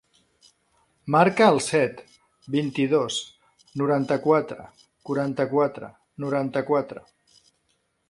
Marca el set, vint-i-dos, noranta-quatre, quaranta-quatre, noranta-quatre.